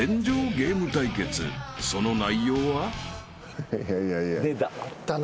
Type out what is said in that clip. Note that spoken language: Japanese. ［その内容は？］